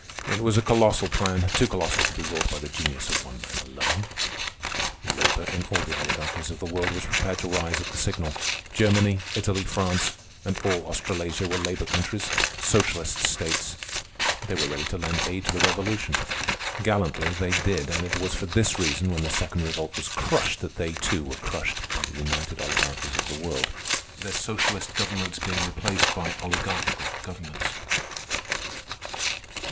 It was a colossal plan—too colossal to be wrought by the genius of one man alone. Labor, in all the oligarchies of the world, was prepared to rise at the signal. Germany, Italy, France, and all Australasia were labor countries—socialist states. They were ready to lend aid to the revolution. Gallantly they did; and it was for this reason, when the Second Revolt was crushed, that they, too, were crushed by the united oligarchies of the world, their socialist governments being replaced by oligarchical governments.